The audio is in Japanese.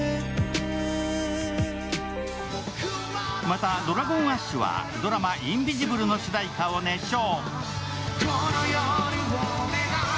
またＤｒａｇｏｎＡｓｈはドラマ「インビジブル」の主題歌を熱唱。